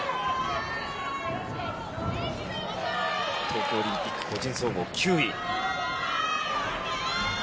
東京オリンピック個人総合９位。